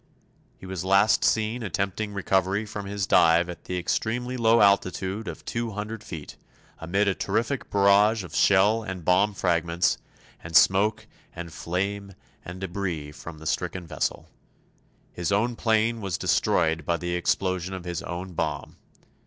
He was last seen attempting recovery from his dive at the extremely low altitude of two hundred feet, amid a terrific barrage of shell and bomb fragments, and smoke and flame and debris from the stricken vessel. His own plane was destroyed by the explosion of his own bomb.